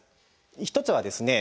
１つはですね